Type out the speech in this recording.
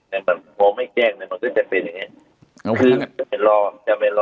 ถ้าว่าไม่แกล้งเนี่ยท็ะเป็นยังไง